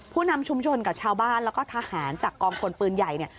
ผู้นำชุมชนกับชาวบ้านแล้วก็ทหารจากกองพลปืนใหญ่เนี่ย